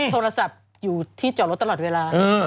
โทรศัพท์อยู่ที่จอดรถตลอดเวลา